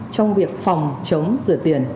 trong việc phòng chống rửa tiền